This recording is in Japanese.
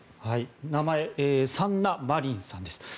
名前、サンナ・マリンさんです。